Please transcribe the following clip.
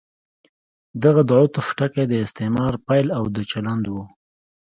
دلته د عطف ټکی د استعمار پیل او د چلند و.